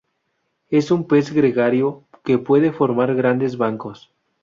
Es un pez gregario, que puede formar grandes bancos.